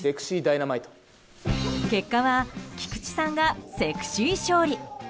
結果は菊池さんがセクシー勝利。